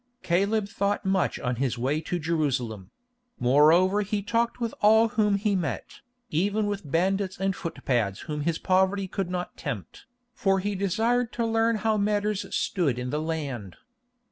Caleb thought much on his way to Jerusalem; moreover he talked with all whom he met, even with bandits and footpads whom his poverty could not tempt, for he desired to learn how matters stood in the land.